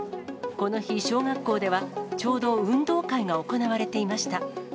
この日、小学校では、ちょうど運動会が行われていました。